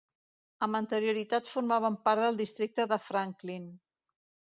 Amb anterioritat formava part del Districte de Franklin.